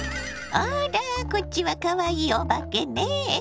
あらこっちはかわいいお化けねぇ。